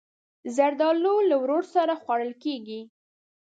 زردالو له ورور سره خوړل کېږي.